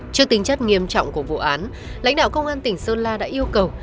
trước tính chất nghiêm trọng của vụ án lãnh đạo công an tỉnh sơn la đã yêu cầu